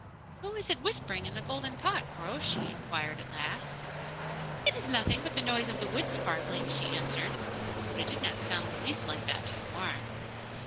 'Who is it whispering in the golden pot, Groac'h?' he inquired at last. 'It is nothing but the noise of the wood sparkling,' she answered; but it did not sound the least like that to Houarn.